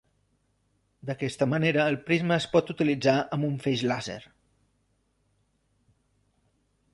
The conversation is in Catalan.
D'aquesta manera el prisma es pot utilitzar amb un feix làser.